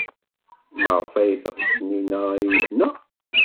Maɣef ay teɣs Taninna ad iyi-tneɣ?